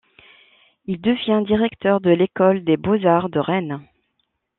Il devient directeur de l'école des beaux-arts de Rennes.